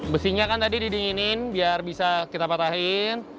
besinya kan tadi didinginin biar bisa kita patahin